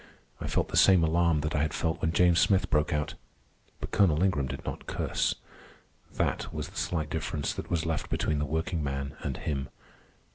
I felt the same alarm that I had felt when James Smith broke out. But Colonel Ingram did not curse. That was the slight difference that was left between the workingman and him.